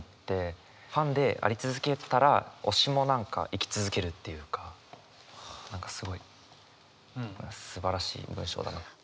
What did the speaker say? ファンであり続けたら推しも何か生き続けるっていうか何かすごいすばらしい文章だなと。